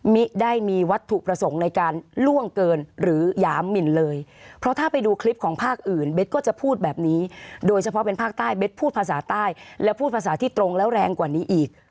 มิได้มีวัตถุประสงค์ในการล่วงเกินหรือหยามหมินเลยเพราะถ้าไปดูคลิปของภาคอื่นเบสก็จะพูดแบบนี้โดยเฉพาะเป็นภาคใต้เบ็ดพูดภาษาใต้และพูดภาษาที่ตรงแล้วแรงกว่านี้อีก